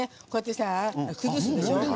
崩すでしょ。